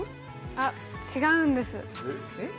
あっ違うんですえっ？